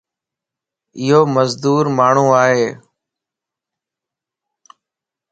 ايو معذور ماڻھو ائي.